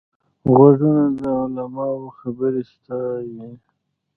غوږونه د علماوو خبرې ساتي